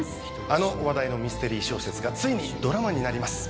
あの話題のミステリー小説がついにドラマになります。